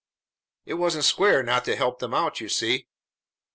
It wasn't square not to help them out, you see."